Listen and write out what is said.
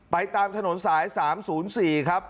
ตามถนนสาย๓๐๔ครับ